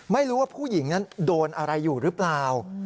ไม่รู้ว่าผู้หญิงนั้นโดนอะไรอยู่หรือเปล่า